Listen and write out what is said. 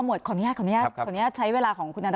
อย่างนี้ฉันขอขอมอตของที่สั่งเป็นของคุณนัฐพงศ์